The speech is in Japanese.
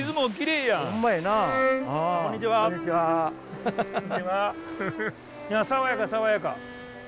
いや爽やか爽やか。